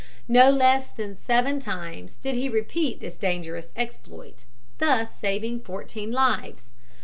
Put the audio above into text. No less than seven times did he repeat this dangerous exploit, thus saving fourteen lives.